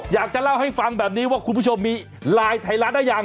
อยากจะเล่าให้ฟังแบบนี้ว่าคุณผู้ชมมีไลน์ไทยรัฐได้ยัง